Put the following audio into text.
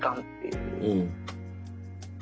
うん。